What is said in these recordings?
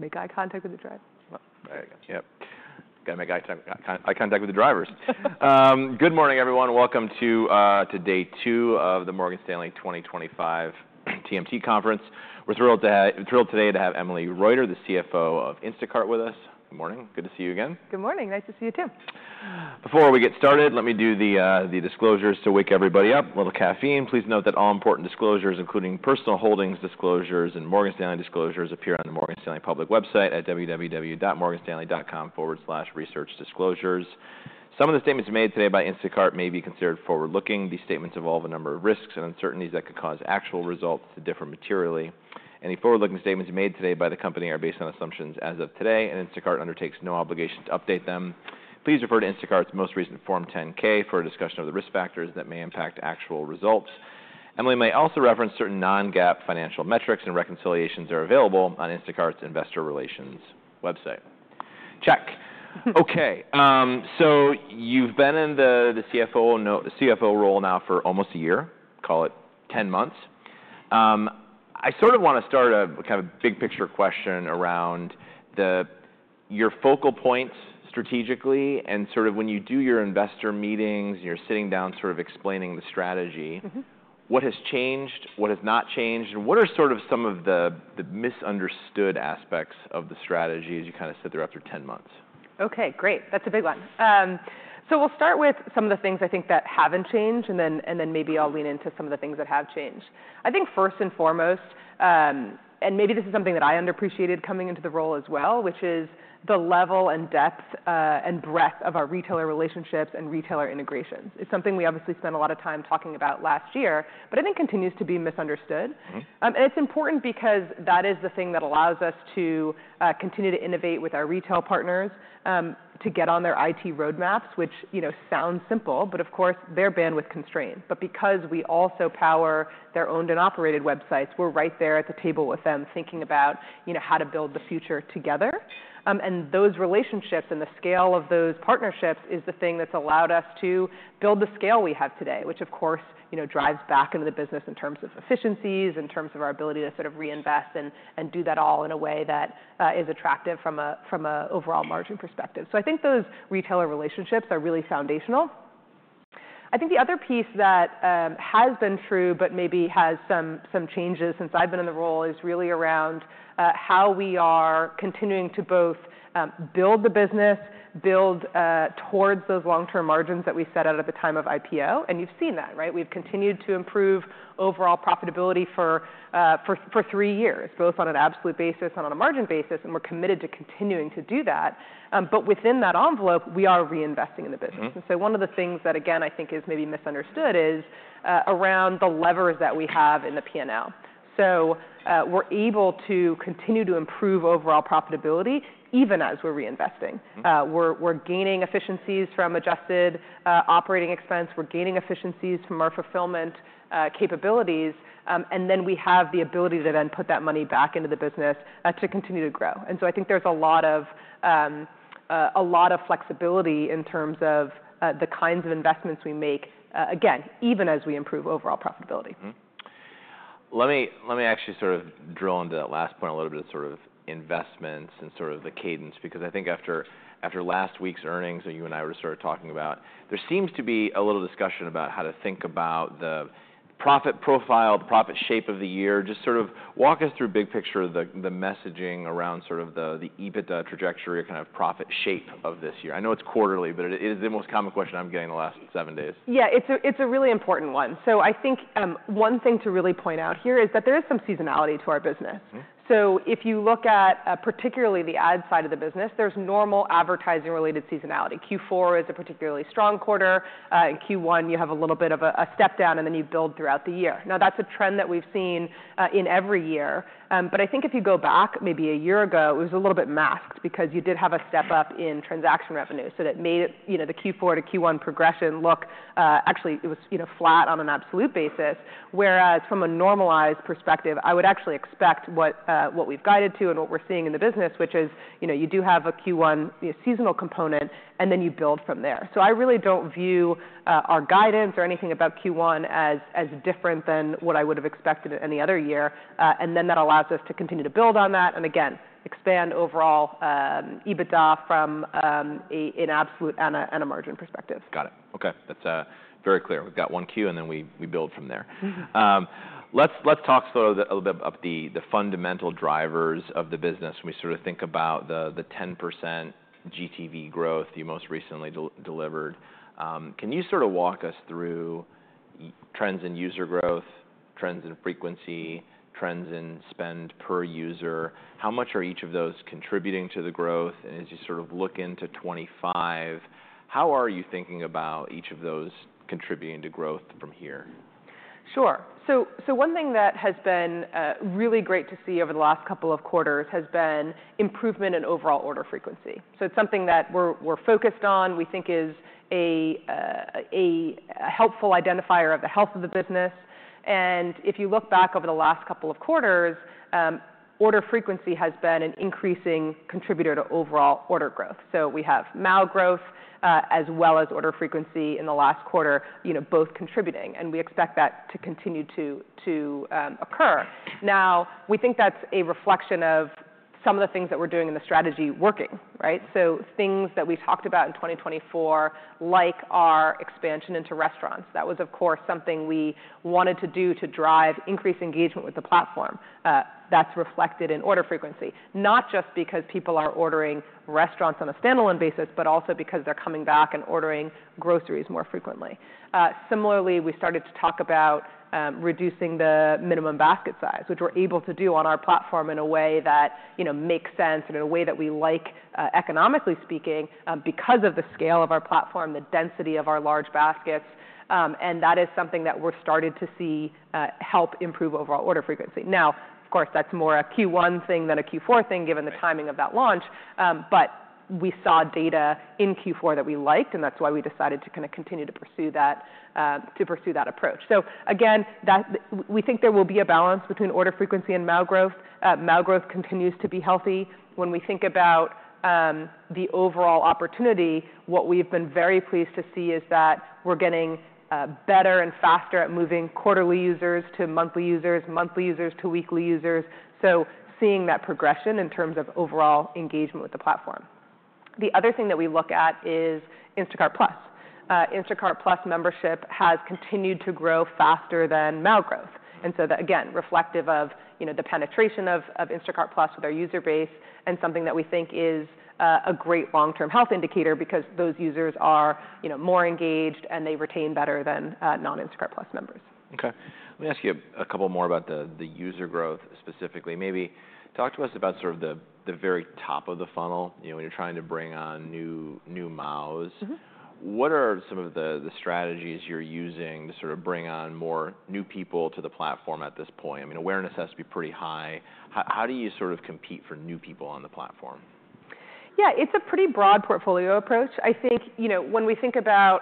Make eye contact with the driver. There you go. Yep. Got to make eye contact with the drivers. Good morning, everyone. Welcome to day two of the Morgan Stanley 2025 TMT conference. We're thrilled today to have Emily Reuter, the CFO of Instacart, with us. Good morning. Good to see you again. Good morning. Nice to see you too. Before we get started, let me do the disclosures to wake everybody up. A little caffeine. Please note that all important disclosures, including personal holdings disclosures and Morgan Stanley disclosures, appear on the Morgan Stanley public website at www.morganstanley.com/researchdisclosures. Some of the statements made today by Instacart may be considered forward-looking. These statements involve a number of risks and uncertainties that could cause actual results to differ materially. Any forward-looking statements made today by the company are based on assumptions as of today, and Instacart undertakes no obligation to update them. Please refer to Instacart's most recent Form 10-K for a discussion of the risk factors that may impact actual results. Emily may also reference certain non-GAAP financial metrics and reconciliations that are available on Instacart's investor relations website. Check. Okay. So you've been in the CFO role now for almost a year, call it 10 months. I sort of want to start a kind of big-picture question around your focal points strategically and sort of when you do your investor meetings and you're sitting down sort of explaining the strategy, what has changed, what has not changed, and what are sort of some of the misunderstood aspects of the strategy as you kind of sit there after 10 months? Okay. Great. That's a big one. So we'll start with some of the things I think that haven't changed, and then maybe I'll lean into some of the things that have changed. I think first and foremost, and maybe this is something that I underappreciated coming into the role as well, which is the level and depth and breadth of our retailer relationships and retailer integrations. It's something we obviously spent a lot of time talking about last year, but I think continues to be misunderstood. And it's important because that is the thing that allows us to continue to innovate with our retail partners to get on their IT roadmaps, which sounds simple, but of course, they're bandwidth constrained. But because we also power their owned and operated websites, we're right there at the table with them thinking about how to build the future together. And those relationships and the scale of those partnerships is the thing that's allowed us to build the scale we have today, which of course drives back into the business in terms of efficiencies, in terms of our ability to sort of reinvest and do that all in a way that is attractive from an overall margin perspective. So I think those retailer relationships are really foundational. I think the other piece that has been true but maybe has some changes since I've been in the role is really around how we are continuing to both build the business, build towards those long-term margins that we set out at the time of IPO. And you've seen that, right? We've continued to improve overall profitability for three years, both on an absolute basis and on a margin basis, and we're committed to continuing to do that. But within that envelope, we are reinvesting in the business. And so one of the things that, again, I think is maybe misunderstood is around the levers that we have in the P&L. So we're able to continue to improve overall profitability even as we're reinvesting. We're gaining efficiencies from Adjusted Operating Expense. We're gaining efficiencies from our fulfillment capabilities. And then we have the ability to then put that money back into the business to continue to grow. And so I think there's a lot of flexibility in terms of the kinds of investments we make, again, even as we improve overall profitability. Let me actually sort of drill into that last point a little bit of sort of investments and sort of the cadence, because I think after last week's earnings that you and I were sort of talking about, there seems to be a little discussion about how to think about the profit profile, the profit shape of the year. Just sort of walk us through big picture of the messaging around sort of the EBITDA trajectory or kind of profit shape of this year. I know it's quarterly, but it is the most common question I'm getting the last seven days. Yeah, it's a really important one. So I think one thing to really point out here is that there is some seasonality to our business. So if you look at particularly the ad side of the business, there's normal advertising-related seasonality. Q4 is a particularly strong quarter. In Q1, you have a little bit of a step down, and then you build throughout the year. Now, that's a trend that we've seen in every year. But I think if you go back maybe a year ago, it was a little bit masked because you did have a step up in transaction revenue. So that made the Q4 to Q1 progression look. Actually, it was flat on an absolute basis, whereas from a normalized perspective, I would actually expect what we've guided to and what we're seeing in the business, which is you do have a Q1 seasonal component, and then you build from there, so I really don't view our guidance or anything about Q1 as different than what I would have expected in the other year, and then that allows us to continue to build on that and, again, expand overall EBITDA from an absolute and a margin perspective. Got it. Okay. That's very clear. We've got 1Q, and then we build from there. Let's talk sort of a little bit about the fundamental drivers of the business when we sort of think about the 10% GTV growth you most recently delivered. Can you sort of walk us through trends in user growth, trends in frequency, trends in spend per user? How much are each of those contributing to the growth? And as you sort of look into 2025, how are you thinking about each of those contributing to growth from here? Sure. So one thing that has been really great to see over the last couple of quarters has been improvement in overall order frequency. So it's something that we're focused on, we think is a helpful identifier of the health of the business. And if you look back over the last couple of quarters, order frequency has been an increasing contributor to overall order growth. So we have AOV growth as well as order frequency in the last quarter both contributing, and we expect that to continue to occur. Now, we think that's a reflection of some of the things that we're doing in the strategy working, right? So things that we talked about in 2024, like our expansion into restaurants, that was, of course, something we wanted to do to drive increased engagement with the platform. That's reflected in order frequency, not just because people are ordering restaurants on a standalone basis, but also because they're coming back and ordering groceries more frequently. Similarly, we started to talk about reducing the minimum basket size, which we're able to do on our platform in a way that makes sense and in a way that we like, economically speaking, because of the scale of our platform, the density of our large baskets. And that is something that we're starting to see help improve overall order frequency. Now, of course, that's more a Q1 thing than a Q4 thing given the timing of that launch, but we saw data in Q4 that we liked, and that's why we decided to kind of continue to pursue that approach. So again, we think there will be a balance between order frequency and AOV growth. AOV growth continues to be healthy. When we think about the overall opportunity, what we've been very pleased to see is that we're getting better and faster at moving quarterly users to monthly users, monthly users to weekly users, so seeing that progression in terms of overall engagement with the platform. The other thing that we look at is Instacart Plus. Instacart Plus membership has continued to grow faster than overall growth. And so that, again, reflective of the penetration of Instacart Plus with our user base and something that we think is a great long-term health indicator because those users are more engaged and they retain better than non-Instacart Plus members. Okay. Let me ask you a couple more about the user growth specifically. Maybe talk to us about sort of the very top of the funnel when you're trying to bring on new MAUs. What are some of the strategies you're using to sort of bring on more new people to the platform at this point? I mean, awareness has to be pretty high. How do you sort of compete for new people on the platform? Yeah, it's a pretty broad portfolio approach. I think when we think about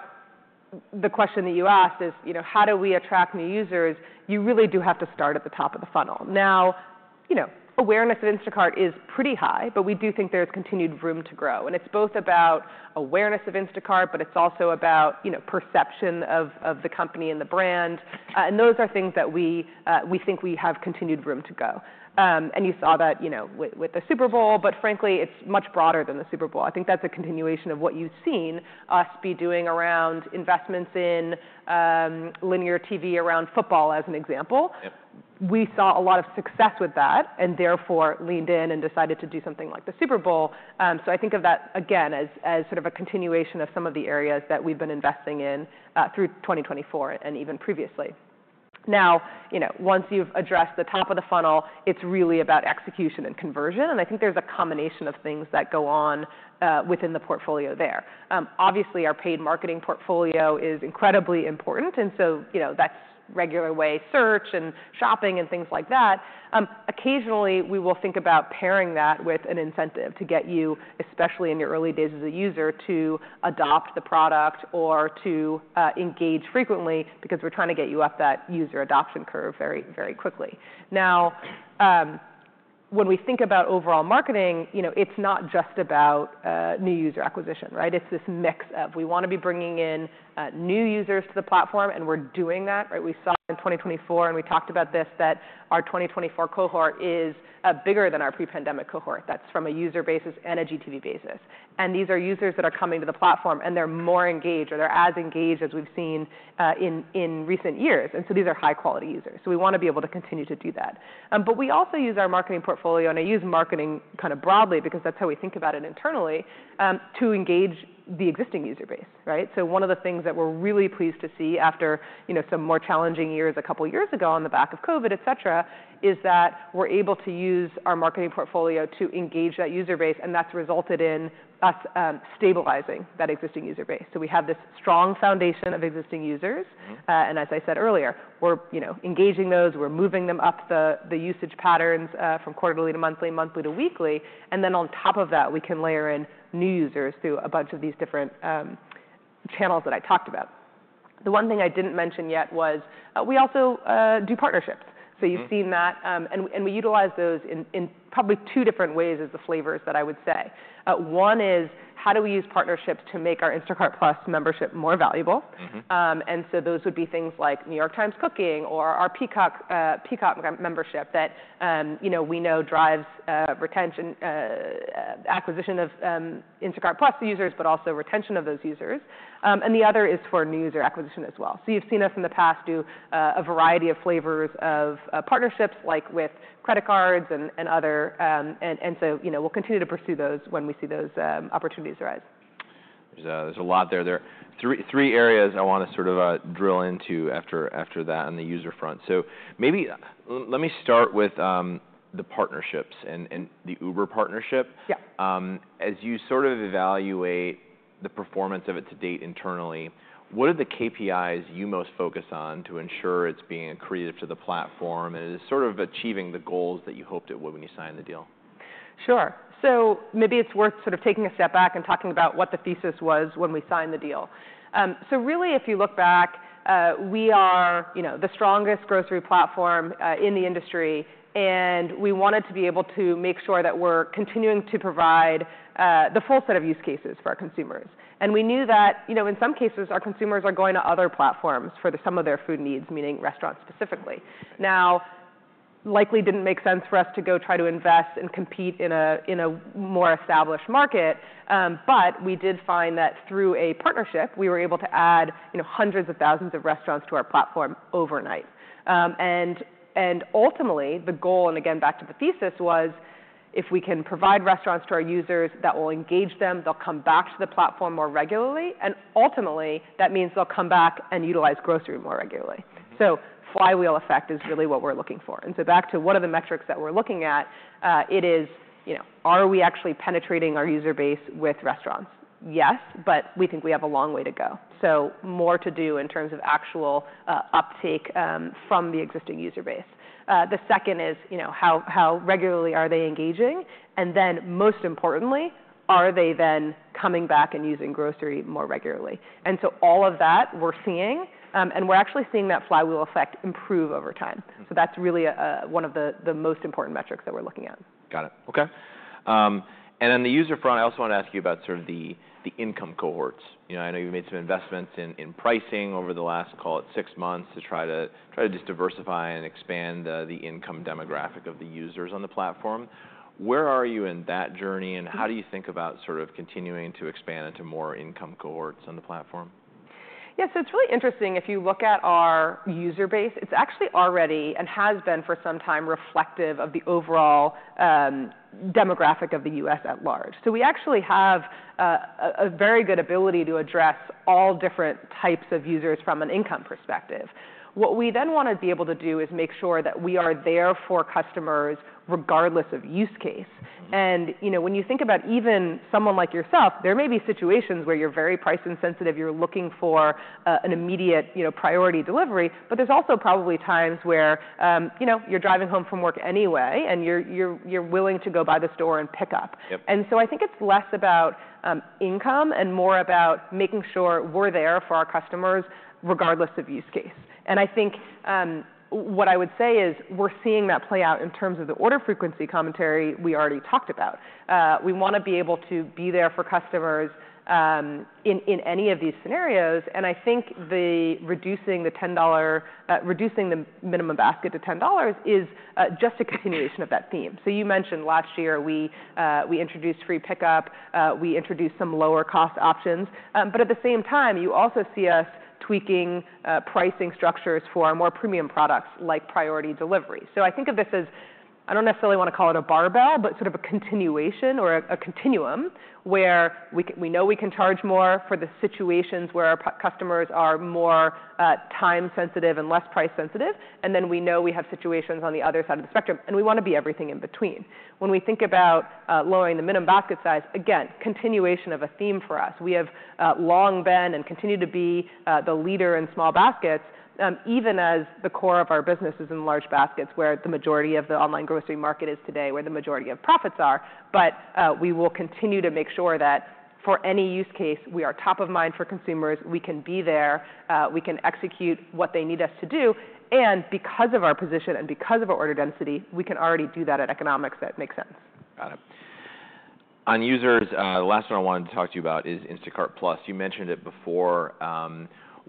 the question that you asked is, how do we attract new users? You really do have to start at the top of the funnel. Now, awareness of Instacart is pretty high, but we do think there's continued room to grow, and it's both about awareness of Instacart, but it's also about perception of the company and the brand. And those are things that we think we have continued room to go, and you saw that with the Super Bowl, but frankly, it's much broader than the Super Bowl. I think that's a continuation of what you've seen us be doing around investments in linear TV around football, as an example. We saw a lot of success with that and therefore leaned in and decided to do something like the Super Bowl. So I think of that, again, as sort of a continuation of some of the areas that we've been investing in through 2024 and even previously. Now, once you've addressed the top of the funnel, it's really about execution and conversion. And I think there's a combination of things that go on within the portfolio there. Obviously, our paid marketing portfolio is incredibly important. And so that's regular way search and shopping and things like that. Occasionally, we will think about pairing that with an incentive to get you, especially in your early days as a user, to adopt the product or to engage frequently because we're trying to get you up that user adoption curve very, very quickly. Now, when we think about overall marketing, it's not just about new user acquisition, right? It's this mix of we want to be bringing in new users to the platform, and we're doing that, right? We saw in 2024, and we talked about this, that our 2024 cohort is bigger than our pre-pandemic cohort. That's from a user basis and a Shopper. And these are users that are coming to the platform, and they're more engaged or they're as engaged as we've seen in recent years. And so these are high-quality users. So we want to be able to continue to do that. But we also use our marketing portfolio, and I use marketing kind of broadly because that's how we think about it internally, to engage the existing user base, right? So one of the things that we're really pleased to see after some more challenging years a couple of years ago on the back of COVID, et cetera, is that we're able to use our marketing portfolio to engage that user base, and that's resulted in us stabilizing that existing user base. So we have this strong foundation of existing users. And as I said earlier, we're engaging those. We're moving them up the usage patterns from quarterly to monthly, monthly to weekly. And then on top of that, we can layer in new users through a bunch of these different channels that I talked about. The one thing I didn't mention yet was we also do partnerships. So you've seen that. And we utilize those in probably two different ways as the flavors that I would say. One is how do we use partnerships to make our Instacart Plus membership more valuable? And so those would be things like New York Times Cooking or our Peacock membership that we know drives acquisition of Instacart Plus users, but also retention of those users. And the other is for new user acquisition as well. So you've seen us in the past do a variety of flavors of partnerships, like with credit cards and other. And so we'll continue to pursue those when we see those opportunities arise. There's a lot there. There are three areas I want to sort of drill into after that on the user front. So maybe let me start with the partnerships and the Uber partnership. As you sort of evaluate the performance of it to date internally, what are the KPIs you most focus on to ensure it's being accredited to the platform and is sort of achieving the goals that you hoped it would when you signed the deal? Sure. So maybe it's worth sort of taking a step back and talking about what the thesis was when we signed the deal, so really, if you look back, we are the strongest grocery platform in the industry, and we wanted to be able to make sure that we're continuing to provide the full set of use cases for our consumers, and we knew that in some cases, our consumers are going to other platforms for some of their food needs, meaning restaurants specifically. Now, it likely didn't make sense for us to go try to invest and compete in a more established market, but we did find that through a partnership, we were able to add hundreds of thousands of restaurants to our platform overnight. And ultimately, the goal, and again, back to the thesis, was if we can provide restaurants to our users, that will engage them, they'll come back to the platform more regularly. And ultimately, that means they'll come back and utilize grocery more regularly. So flywheel effect is really what we're looking for. And so back to what are the metrics that we're looking at, it is, are we actually penetrating our user base with restaurants? Yes, but we think we have a long way to go. So more to do in terms of actual uptake from the existing user base. The second is how regularly are they engaging? And then most importantly, are they then coming back and using grocery more regularly? And so all of that we're seeing, and we're actually seeing that flywheel effect improve over time. That's really one of the most important metrics that we're looking at. Got it. Okay. And on the user front, I also want to ask you about sort of the income cohorts. I know you've made some investments in pricing over the last, call it, six months to try to just diversify and expand the income demographic of the users on the platform. Where are you in that journey, and how do you think about sort of continuing to expand into more income cohorts on the platform? Yeah, so it's really interesting. If you look at our user base, it's actually already and has been for some time reflective of the overall demographic of the U.S. at large. So we actually have a very good ability to address all different types of users from an income perspective. What we then want to be able to do is make sure that we are there for customers regardless of use case. And when you think about even someone like yourself, there may be situations where you're very price insensitive. You're looking for an immediate priority delivery, but there's also probably times where you're driving home from work anyway, and you're willing to go by the store and pick up, and so I think it's less about income and more about making sure we're there for our customers regardless of use case. I think what I would say is we're seeing that play out in terms of the order frequency commentary we already talked about. We want to be able to be there for customers in any of these scenarios. I think reducing the minimum basket to $10 is just a continuation of that theme. You mentioned last year we introduced free pickup. We introduced some lower-cost options. At the same time, you also see us tweaking pricing structures for our more premium products like priority delivery. I think of this as I don't necessarily want to call it a barbell, but sort of a continuation or a continuum where we know we can charge more for the situations where our customers are more time-sensitive and less price-sensitive. And then we know we have situations on the other side of the spectrum, and we want to be everything in between. When we think about lowering the minimum basket size, again, continuation of a theme for us. We have long been and continue to be the leader in small baskets, even as the core of our business is in large baskets where the majority of the online grocery market is today, where the majority of profits are. But we will continue to make sure that for any use case, we are top of mind for consumers. We can be there. We can execute what they need us to do. And because of our position and because of our order density, we can already do that at economics that makes sense. Got it. On users, the last one I wanted to talk to you about is Instacart Plus. You mentioned it before.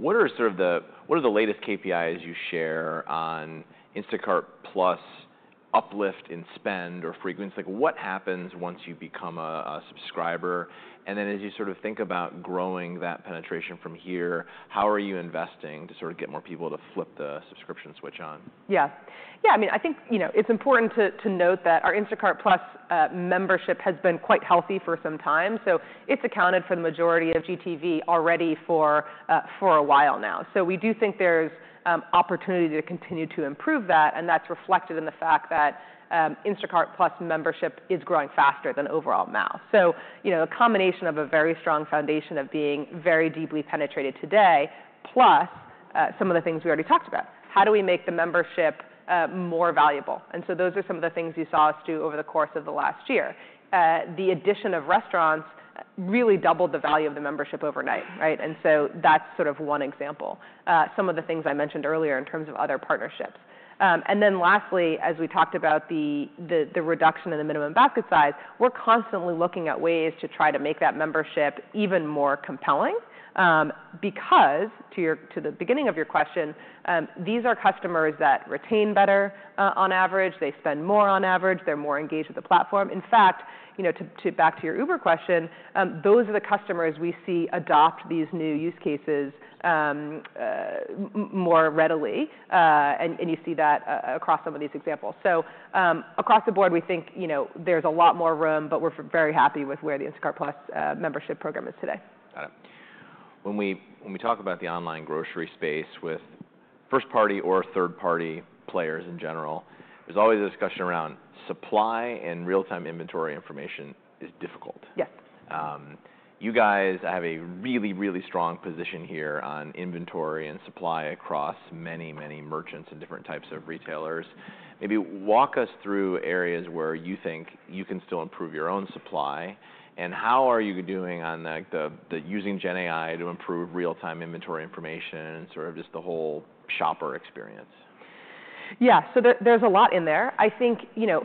What are sort of the latest KPIs you share on Instacart Plus uplift in spend or frequency? What happens once you become a subscriber? And then as you sort of think about growing that penetration from here, how are you investing to sort of get more people to flip the subscription switch on? Yeah. Yeah, I mean, I think it's important to note that our Instacart Plus membership has been quite healthy for some time. So it's accounted for the majority of GTV already for a while now. So we do think there's opportunity to continue to improve that. And that's reflected in the fact that Instacart Plus membership is growing faster than overall MAs. So a combination of a very strong foundation of being very deeply penetrated today, plus some of the things we already talked about. How do we make the membership more valuable? And so those are some of the things you saw us do over the course of the last year. The addition of restaurants really doubled the value of the membership overnight, right? And so that's sort of one example. Some of the things I mentioned earlier in terms of other partnerships. And then lastly, as we talked about the reduction in the minimum basket size, we're constantly looking at ways to try to make that membership even more compelling because to the beginning of your question, these are customers that retain better on average. They spend more on average. They're more engaged with the platform. In fact, back to your Uber question, those are the customers we see adopt these new use cases more readily. And you see that across some of these examples. So across the board, we think there's a lot more room, but we're very happy with where the Instacart Plus membership program is today. Got it. When we talk about the online grocery space with first-party or third-party players in general, there's always a discussion around supply and real-time inventory information is difficult. Yes. You guys have a really, really strong position here on inventory and supply across many, many merchants and different types of retailers. Maybe walk us through areas where you think you can still improve your own supply, and how are you doing on using GenAI to improve real-time inventory information and sort of just the whole Shopper experience? Yeah, so there's a lot in there. I think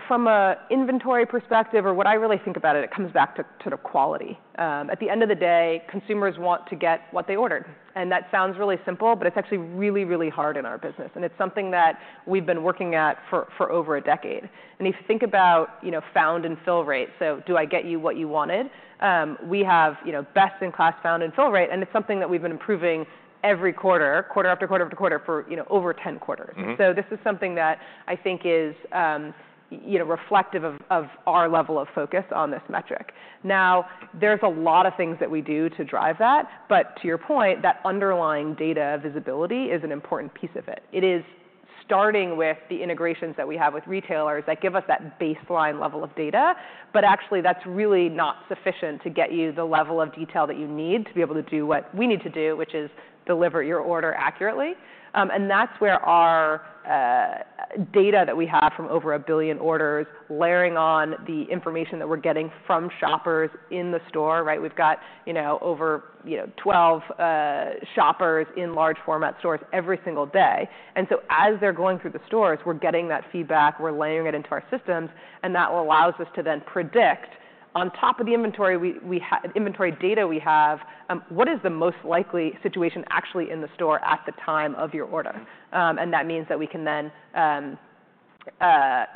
from an inventory perspective or what I really think about it, it comes back to sort of quality. At the end of the day, consumers want to get what they ordered, and that sounds really simple, but it's actually really, really hard in our business, and it's something that we've been working at for over a decade, and if you think about found and fill rate, so do I get you what you wanted? We have best-in-class found and fill rate, and it's something that we've been improving every quarter, quarter after quarter after quarter for over 10 quarters, and so this is something that I think is reflective of our level of focus on this metric. Now, there's a lot of things that we do to drive that. But to your point, that underlying data visibility is an important piece of it. It is starting with the integrations that we have with retailers that give us that baseline level of data. But actually, that's really not sufficient to get you the level of detail that you need to be able to do what we need to do, which is deliver your order accurately. And that's where our data that we have from over a billion orders layering on the information that we're getting from Shoppers in the store, right? We've got over 12 Shoppers in large-format stores every single day. And so as they're going through the stores, we're getting that feedback. We're layering it into our systems. And that allows us to then predict on top of the inventory data we have, what is the most likely situation actually in the store at the time of your order. And that means that we can then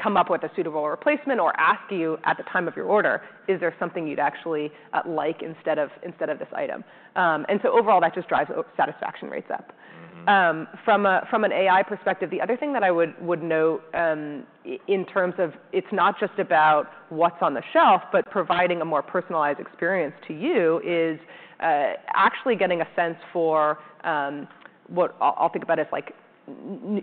come up with a suitable replacement or ask you at the time of your order, is there something you'd actually like instead of this item? And so overall, that just drives satisfaction rates up. From an AI perspective, the other thing that I would note in terms of it's not just about what's on the shelf, but providing a more personalized experience to you is actually getting a sense for what I'll think about as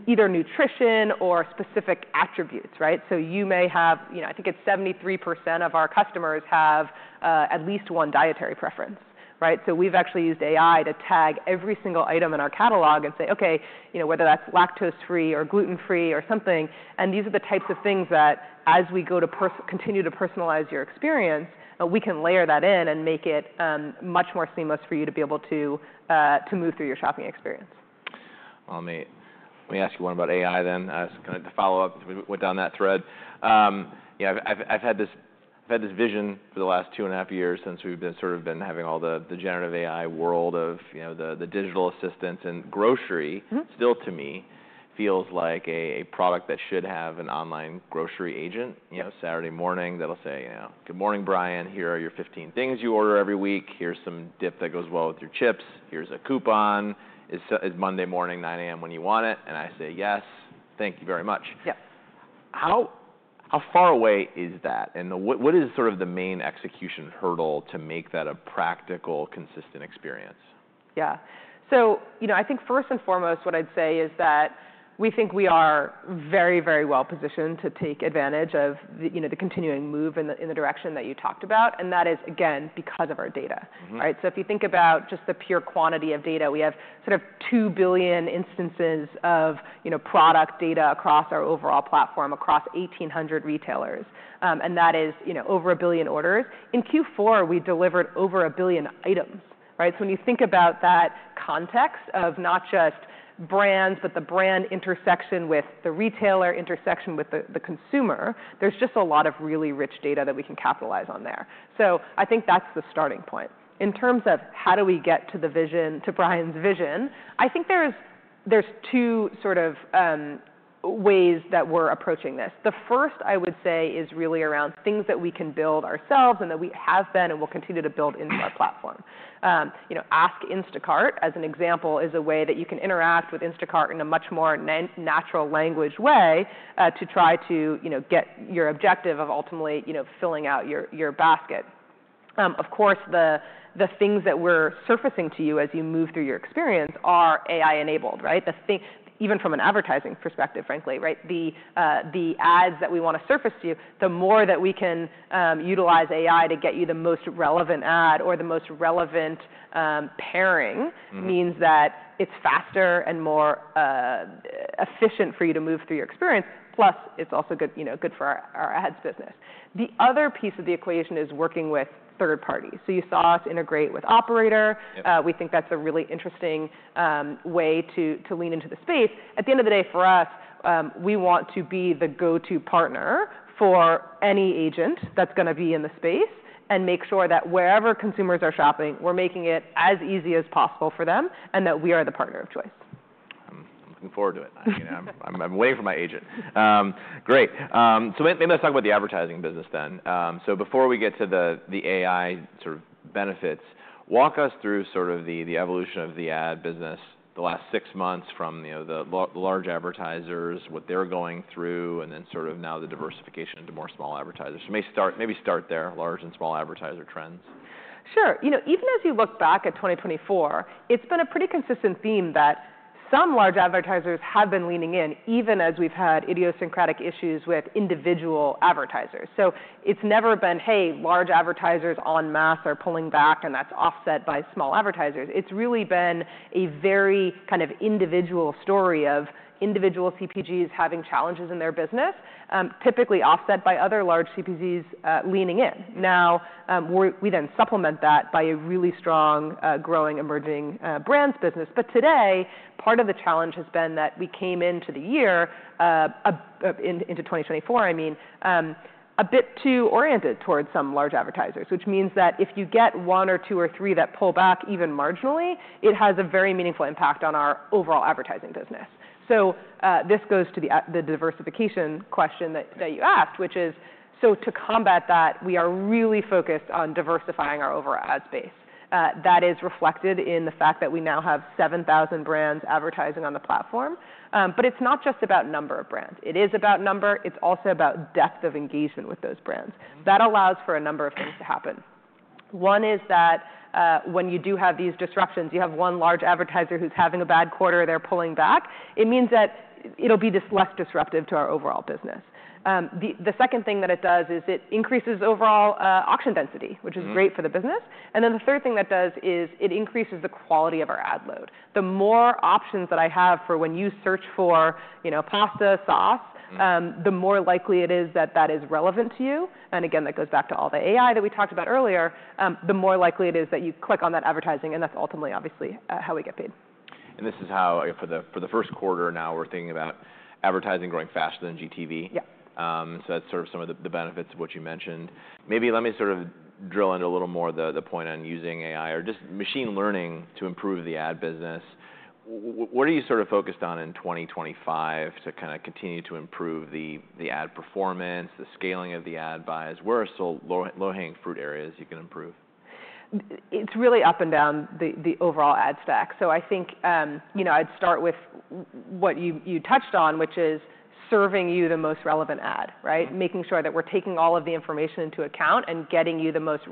either nutrition or specific attributes, right? So you may have, I think it's 73% of our customers have at least one dietary preference, right? We've actually used AI to tag every single item in our catalog and say, okay, whether that's lactose-free or gluten-free or something. These are the types of things that as we continue to personalize your experience, we can layer that in and make it much more seamless for you to be able to move through your shopping experience. Let me ask you one about AI then. Just kind of to follow up, we went down that thread. I've had this vision for the last two and a half years since we've sort of been having all the generative AI world of the digital assistance and grocery still to me feels like a product that should have an online grocery agent Saturday morning that'll say, "Good morning, Brian. Here are your 15 things you order every week. Here's some dip that goes well with your chips. Here's a coupon. Is Monday morning 9:00 A.M. when you want it?" I say, "Yes, thank you very much. Yep. How far away is that? And what is sort of the main execution hurdle to make that a practical, consistent experience? Yeah. So I think first and foremost, what I'd say is that we think we are very, very well positioned to take advantage of the continuing move in the direction that you talked about. And that is, again, because of our data, right? So if you think about just the pure quantity of data, we have sort of 2 billion instances of product data across our overall platform across 1,800 retailers. And that is over a billion orders. In Q4, we delivered over a billion items, right? So when you think about that context of not just brands, but the brand intersection with the retailer, intersection with the consumer, there's just a lot of really rich data that we can capitalize on there. So I think that's the starting point. In terms of how do we get to Brian's vision, I think there's two sort of ways that we're approaching this. The first, I would say, is really around things that we can build ourselves and that we have been and will continue to build into our platform. Ask Instacart, as an example, is a way that you can interact with Instacart in a much more natural language way to try to get your objective of ultimately filling out your basket. Of course, the things that we're surfacing to you as you move through your experience are AI-enabled, right? Even from an advertising perspective, frankly, right? The ads that we want to surface to you, the more that we can utilize AI to get you the most relevant ad or the most relevant pairing means that it's faster and more efficient for you to move through your experience. Plus, it's also good for our ads business. The other piece of the equation is working with third parties. So you saw us integrate with Operator. We think that's a really interesting way to lean into the space. At the end of the day, for us, we want to be the go-to partner for any agent that's going to be in the space and make sure that wherever consumers are shopping, we're making it as easy as possible for them and that we are the partner of choice. I'm looking forward to it. I'm waiting for my agent. Great. So maybe let's talk about the advertising business then. So before we get to the AI sort of benefits, walk us through sort of the evolution of the ad business the last six months from the large advertisers, what they're going through, and then sort of now the diversification into more small advertisers. So maybe start there, large and small advertiser trends. Sure. Even as you look back at 2024, it's been a pretty consistent theme that some large advertisers have been leaning in, even as we've had idiosyncratic issues with individual advertisers. So it's never been, "Hey, large advertisers on masse are pulling back, and that's offset by small advertisers." It's really been a very kind of individual story of individual CPGs having challenges in their business, typically offset by other large CPGs leaning in. Now, we then supplement that by a really strong growing emerging brands business. But today, part of the challenge has been that we came into the year, into 2024, I mean, a bit too oriented towards some large advertisers, which means that if you get one or two or three that pull back even marginally, it has a very meaningful impact on our overall advertising business. So this goes to the diversification question that you asked, which is, so to combat that, we are really focused on diversifying our overall ad space. That is reflected in the fact that we now have 7,000 brands advertising on the platform. But it's not just about number of brands. It is about number. It's also about depth of engagement with those brands. That allows for a number of things to happen. One is that when you do have these disruptions, you have one large advertiser who's having a bad quarter, they're pulling back. It means that it'll be this less disruptive to our overall business. The second thing that it does is it increases overall auction density, which is great for the business, and then the third thing that does is it increases the quality of our ad load. The more options that I have for when you search for pasta sauce, the more likely it is that that is relevant to you, and again, that goes back to all the AI that we talked about earlier. The more likely it is that you click on that advertising, and that's ultimately, obviously, how we get paid. This is how for the first quarter now, we're thinking about advertising growing faster than GTV. Yep. So that's sort of some of the benefits of what you mentioned. Maybe let me sort of drill into a little more the point on using AI or just machine learning to improve the ad business. What are you sort of focused on in 2025 to kind of continue to improve the ad performance, the scaling of the ad buys? Where are still low-hanging fruit areas you can improve? It's really up and down the overall ad stack. So I think I'd start with what you touched on, which is serving you the most relevant ad, right? Making sure that we're taking all of the information into account and getting you the most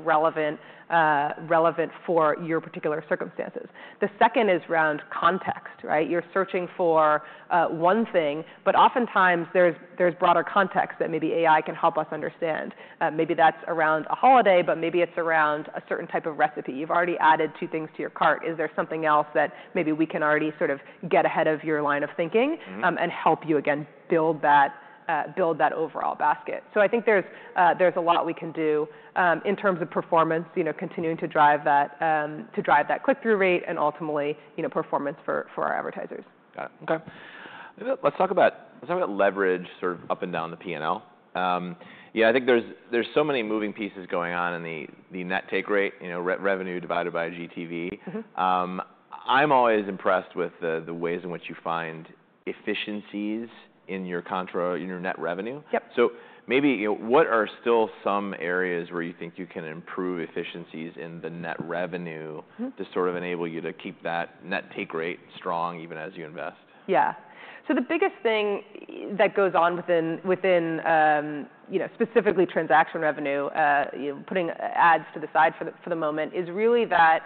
relevant for your particular circumstances. The second is around context, right? You're searching for one thing, but oftentimes there's broader context that maybe AI can help us understand. Maybe that's around a holiday, but maybe it's around a certain type of recipe. You've already added two things to your cart. Is there something else that maybe we can already sort of get ahead of your line of thinking and help you, again, build that overall basket? So I think there's a lot we can do in terms of performance, continuing to drive that click-through rate and ultimately performance for our advertisers. Got it. Okay. Let's talk about leverage sort of up and down the P&L. Yeah, I think there's so many moving pieces going on in the net take rate, revenue divided by GTV. I'm always impressed with the ways in which you find efficiencies in your net revenue. Yep. So maybe what are still some areas where you think you can improve efficiencies in the net revenue to sort of enable you to keep that net take rate strong even as you invest? Yeah. So the biggest thing that goes on within specifically transaction revenue, putting ads to the side for the moment, is really that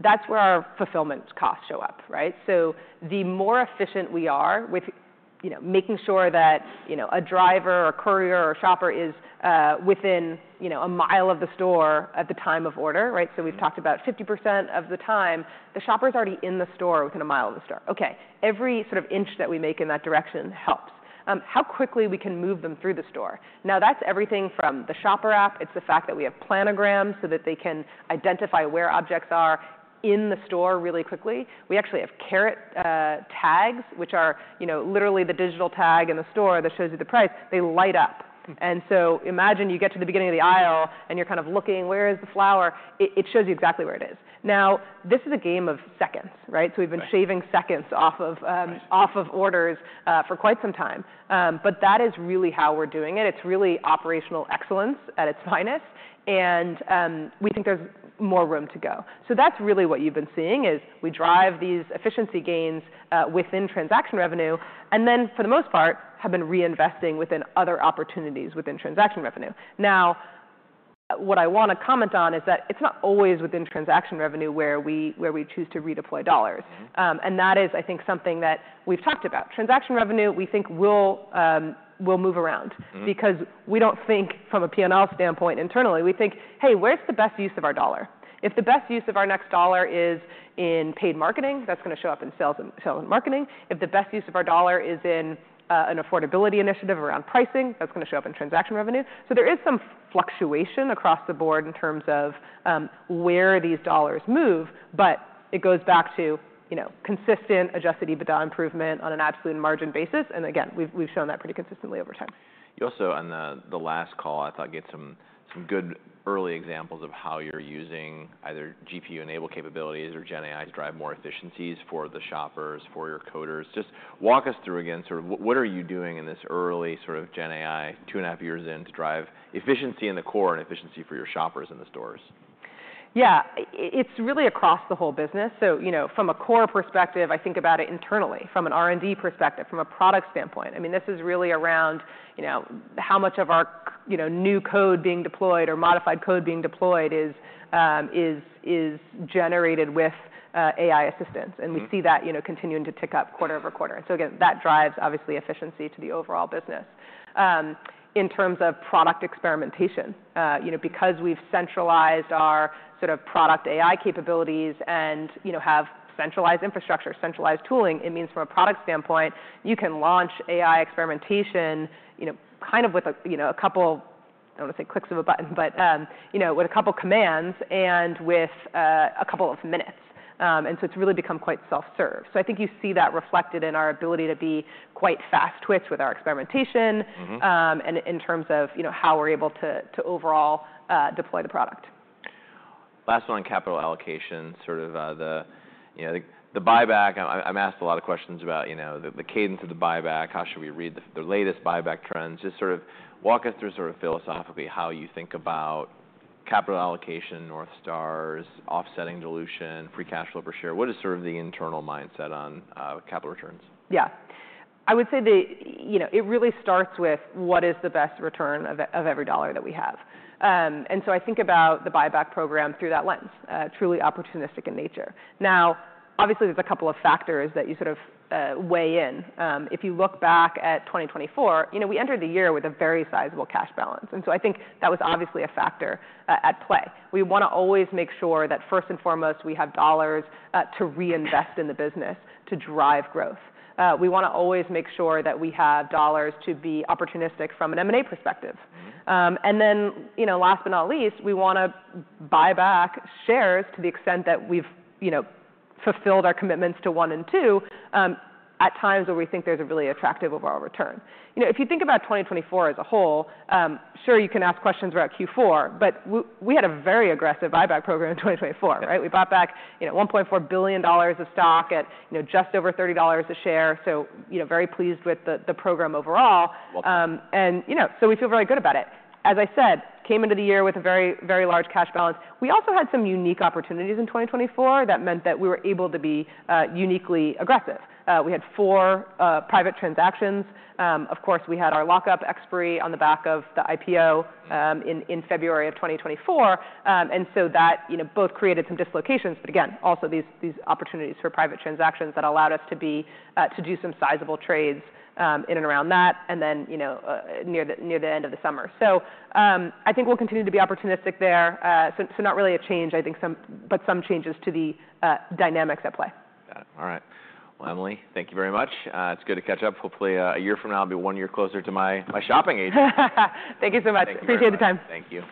that's where our fulfillment costs show up, right? So the more efficient we are with making sure that a driver or courier or Shopper is within a mile of the store at the time of order, right? So we've talked about 50% of the time, the Shopper's already in the store within a mile of the store. Okay. Every sort of inch that we make in that direction helps. How quickly we can move them through the store. Now, that's everything from the Shopper App. It's the fact that we have planograms so that they can identify where objects are in the store really quickly. We actually have Carrot Tags, which are literally the digital tag in the store that shows you the price. They light up. And so imagine you get to the beginning of the aisle and you're kind of looking, where is the flour? It shows you exactly where it is. Now, this is a game of seconds, right? So we've been shaving seconds off of orders for quite some time. But that is really how we're doing it. It's really operational excellence at its finest. And we think there's more room to go. So that's really what you've been seeing is we drive these efficiency gains within transaction revenue. And then for the most part, have been reinvesting within other opportunities within transaction revenue. Now, what I want to comment on is that it's not always within transaction revenue where we choose to redeploy dollars. And that is, I think, something that we've talked about. Transaction revenue, we think, will move around because we don't think from a P&L standpoint internally. We think, hey, where's the best use of our dollar? If the best use of our next dollar is in paid marketing, that's going to show up in sales and marketing. If the best use of our dollar is in an affordability initiative around pricing, that's going to show up in transaction revenue. So, there is some fluctuation across the board in terms of where these dollars move. But it goes back to consistent Adjusted EBITDA improvement on an absolute margin basis. And again, we've shown that prety consistently over time. You also, on the last call, I thought you had some good early examples of how you're using either GPU-enabled capabilities or GenAI to drive more efficiencies for the Shoppers, for your coders. Just walk us through, again, sort of what are you doing in this early sort of GenAI two and a half years in to drive efficiency in the core and efficiency for your Shoppers in the stores? Yeah. It's really across the whole business. So, from a core perspective, I think about it internally, from an R&D perspective, from a product standpoint. I mean, this is really around how much of our new code being deployed or modified code being deployed is generated with AI assistance. And we see that continuing to tick up quarter over quarter. And so again, that drives, obviously, efficiency to the overall business. In terms of product experimentation, because we've centralized our sort of product AI capabilities and have centralized infrastructure, centralized tooling, it means from a product standpoint, you can launch AI experimentation kind of with a couple, I don't want to say clicks of a button, but with a couple of commands and with a couple of minutes. And so, it's really become quite self-serve. So I think you see that reflected in our ability to be quite fast-twitch with our experimentation and in terms of how we're able to overall deploy the product. Last one on capital allocation, sort of the buyback. I'm asked a lot of questions about the cadence of the buyback. How should we read the latest buyback trends? Just sort of walk us through sort of philosophically how you think about capital allocation, north stars, offsetting dilution, free cash flow per share. What is sort of the internal mindset on capital returns? Yeah. I would say it really starts with what is the best return of every dollar that we have. And so I think about the buyback program through that lens, truly opportunistic in nature. Now, obviously, there's a couple of factors that you sort of weigh in. If you look back at 2024, we entered the year with a very sizable cash balance. And so, I think that was obviously a factor at play. We want to always make sure that first and foremost, we have dollars to reinvest in the business to drive growth. We want to always make sure that we have dollars to be opportunistic from an M&A perspective. And then last but not least, we want to buy back shares to the extent that we've fulfilled our commitments to one and two at times where we think there's a really attractive overall return. If you think about 2024 as a whole, sure, you can ask questions about Q4, but we had a very aggressive buyback program in 2024, right? We bought back $1.4 billion of stock at just over $30 a share. So very pleased with the program overall. And so we feel very good about it. As I said, came into the year with a very, very large cash balance. We also had some unique opportunities in 2024 that meant that we were able to be uniquely aggressive. We had four private transactions. Of course, we had our lockup expiry on the back of the IPO in February of 2024. And so that both created some dislocations, but again, also these opportunities for private transactions that allowed us to do some sizable trades in and around that and then near the end of the summer. So, I think we'll continue to be opportunistic there. So not really a change, I think, but some changes to the dynamics at play. Got it. All right. Emily, thank you very much. It's good to catch up. Hopefully, a year from now, I'll be one year closer to my shopping agent. Thank you so much. Appreciate the time. Thank you.